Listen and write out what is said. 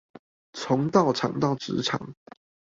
從道場到職場